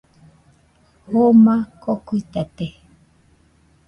Joma kokuitate